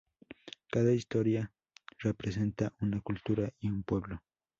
Cada historia representa una cultura y un pueblo.